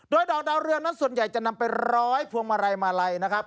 โดยดอกดาวเรืองนั้นส่วนใหญ่จะนำไปร้อยพวงมาลัยมาลัยนะครับ